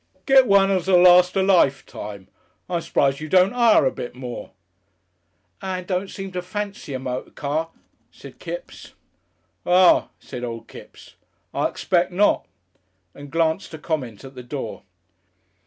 Get one as'll last a lifetime.... I'm surprised you don't 'ire a bit more." "Ann don't seem to fency a moty car," said Kipps. "Ah!" said old Kipps, "I expect not," and glanced a comment at the door.